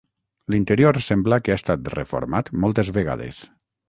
L'interior sembla que ha estat reformat moltes vegades.